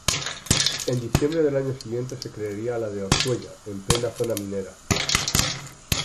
En diciembre del año siguiente se crearía la de Ortuella, en plena zona minera.